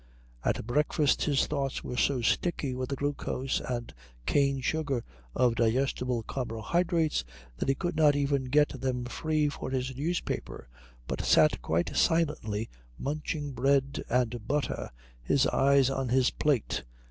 At breakfast his thoughts were so sticky with the glucose and cane sugar of digestible carbohydrates that he could not even get them free for his newspaper, but sat quite silently munching bread and butter, his eyes on his plate.